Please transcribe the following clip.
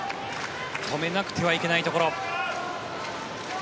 止めなくてはいけないところ。